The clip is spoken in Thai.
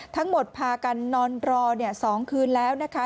ทั้งหมดพากันนอนรอ๒คืนแล้วนะคะ